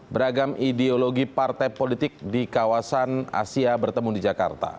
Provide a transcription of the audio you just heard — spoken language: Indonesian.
beragam ideologi partai politik di kawasan asia bertemu di jakarta